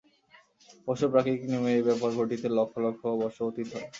অবশ্য প্রাকৃতিক নিয়মে এই ব্যাপার ঘটিতে লক্ষ লক্ষ বর্ষ অতীত হয়।